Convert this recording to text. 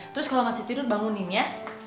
terus kalau masih tidur bangunin ya